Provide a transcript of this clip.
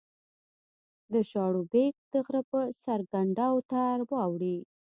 د شاړوبېک د غره په سر کنډو ته واوړې